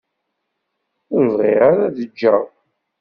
Ur bɣiɣ ara ad ǧǧeɣ.